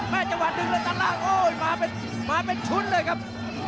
จังหวะดึงเลยตัดล่างโอ้ยมาเป็นชุดเลยครับ